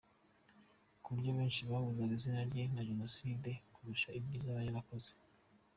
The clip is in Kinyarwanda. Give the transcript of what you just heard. Ku buryo benshi bahuzaga izina rye na Genocide kurusha ibyiza yaba yarakoze.